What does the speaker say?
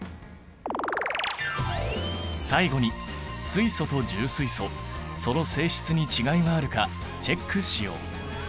最後に水素と重水素その性質に違いはあるかチェックしよう！